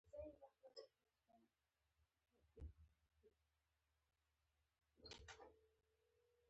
هغې د ساحل تر سیوري لاندې د مینې کتاب ولوست.